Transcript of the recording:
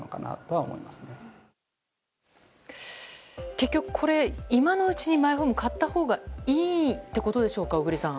結局これ、今のうちにマイホームを買ったほうがいいということでしょうか小栗さん。